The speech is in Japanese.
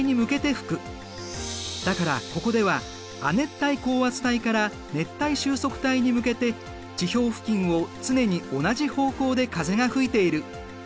だからここでは亜熱帯高圧帯から熱帯収束帯に向けて地表付近を常に同じ方向で風が吹いている。